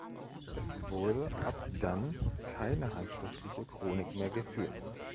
Es wurde ab dann keine handschriftliche Chronik mehr geführt.